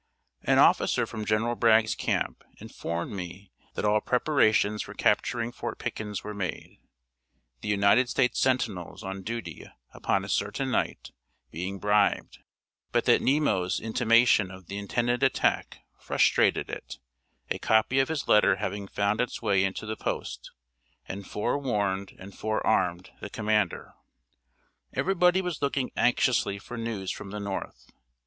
An officer from General Bragg's camp informed me that all preparations for capturing Fort Pickens were made, the United States sentinels on duty upon a certain night being bribed; but that "Nemo's" intimation of the intended attack frustrated it, a copy of his letter having found its way into the post, and forewarned and forearmed the commander. Everybody was looking anxiously for news from the North.